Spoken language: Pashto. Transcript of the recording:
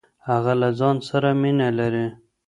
هغه له ځان سره مينه لري.